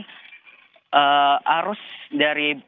dan arus dari banjirnya